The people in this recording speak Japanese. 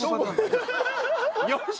よし！